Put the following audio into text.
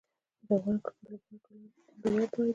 د افغان کرکټ لوبغاړو ټولې هڅې د ټیم بریا لپاره دي.